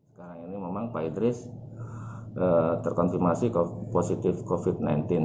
sekarang ini memang pak idris terkonfirmasi positif covid sembilan belas